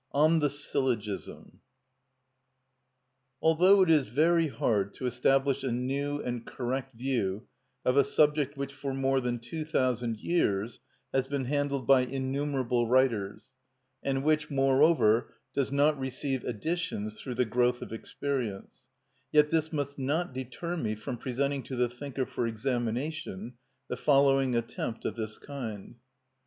On The Syllogism. Although it is very hard to establish a new and correct view of a subject which for more than two thousand years has been handled by innumerable writers, and which, moreover, does not receive additions through the growth of experience, yet this must not deter me from presenting to the thinker for examination the following attempt of this kind.